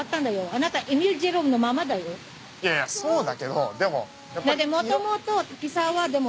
いやいやそうだけどでも。